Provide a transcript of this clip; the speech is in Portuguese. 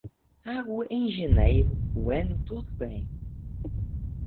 Água em janeiro, o ano todo bem.